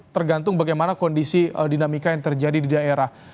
tergantung bagaimana kondisi dinamika yang terjadi di daerah